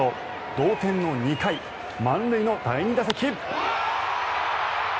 同点の２回満塁の第２打席。